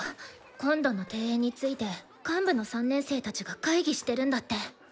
今度の定演について幹部の３年生たちが会議してるんだって。